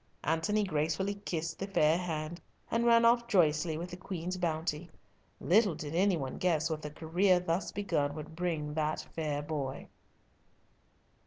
Antony gracefully kissed the fair hand, and ran off joyously with the Queen's bounty. Little did any one guess what the career thus begun would bring that fair boy.